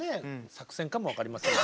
作戦かも分かりません。